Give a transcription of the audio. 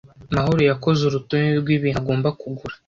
Mahoro yakoze urutonde rwibintu agomba kugura.